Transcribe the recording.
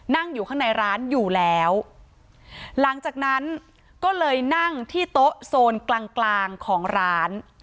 นั่งอยู่ข้างในร้านอยู่แล้วหลังจากนั้นก็เลยนั่งที่โต๊ะโซนกลางกลางของร้าน